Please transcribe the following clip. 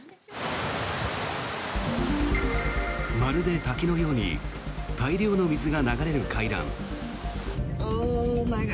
まるで滝のように大量の水が流れる階段。